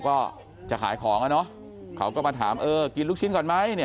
ก็จะขายของอ่ะเนอะเขาก็มาถามเออกินลูกชิ้นก่อนไหมเนี่ย